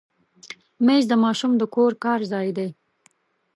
مېز د ماشوم د کور کار ځای دی.